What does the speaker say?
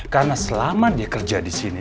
karena selama dia kerja disini